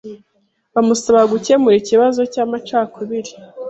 Bamusaba gukemura ikibazo cy’amacakubiri